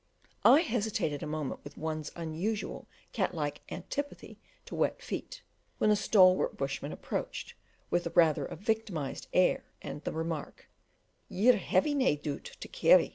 I hesitated a moment with one's usual cat like antipathy to wet feet, when a stalwart bushman approached, with rather a victimised air and the remark: "Ye're heavy, nae doot, to carry."